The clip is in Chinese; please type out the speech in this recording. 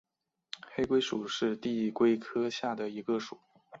黑龟属是地龟科下的一个属。